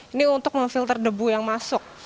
ini untuk memfilter debu yang masuk